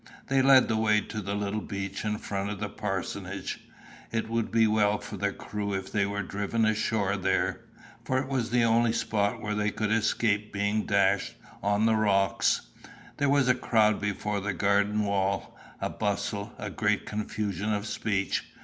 They led the way to the little beach in front of the parsonage. It would be well for the crew if they were driven ashore there, for it was the only spot where they could escape being dashed on rocks. There was a crowd before the garden wall, a bustle, and great confusion of speech.